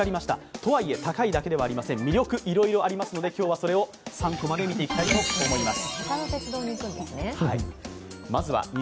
とはいえ高いだけではありません、魅力いろいろありますので今日はそれを３コマで見ていきたいと思います。